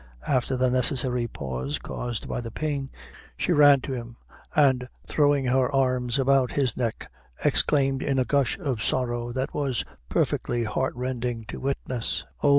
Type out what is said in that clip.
After the necessary pause caused by the pain, she ran to him, and, throwing her arms about his neck, exclaimed in a gush of sorrow that was perfectly heart rending to witness "Oh!